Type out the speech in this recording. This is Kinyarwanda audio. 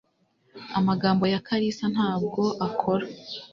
Amagambo ya Kalisa ntabwo akora